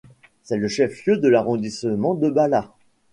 C'est le chef-lieu de l'arrondissement de Bala.